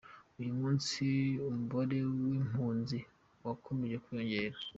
Uyu munsi umubare w’impunzi wakomeje kwiyongera.